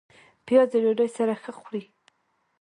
پیاز د ډوډۍ سره ښه خوري